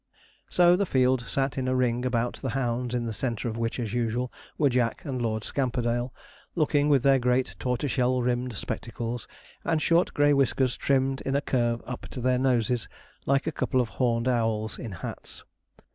So the field sat in a ring about the hounds in the centre of which, as usual, were Jack and Lord Scamperdale, looking with their great tortoise shell rimmed spectacles, and short grey whiskers trimmed in a curve up to their noses, like a couple of horned owls in hats.